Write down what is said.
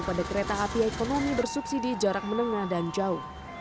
pada kereta api ekonomi bersubsidi jarak menengah dan jauh